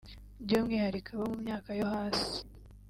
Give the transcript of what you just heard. by’umwihariko abo mu myaka yo hasi